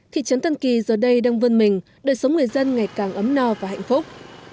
thị trấn tân kỳ giờ đây đang vươn mình đời sống người dân ngày càng ấm no và hạnh phúc